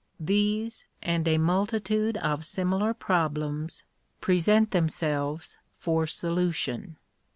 These, and a multitude of similar problems, present themselves for solution.